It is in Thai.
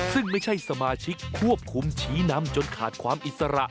ซึ่งไม่ใช่สมาชิกควบคุมชี้นำจนขาดความอิสระ